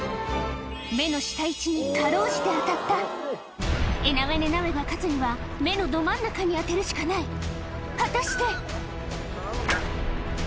目の下位置に辛うじて当たったエナウェネ・ナウェが勝つには目のど真ん中に当てるしかない果たして？